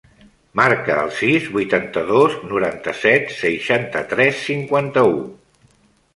Marca el sis, vuitanta-dos, noranta-set, seixanta-tres, cinquanta-u.